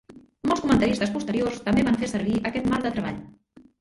Molts comentaristes posteriors també van fer servir aquest marc de treball.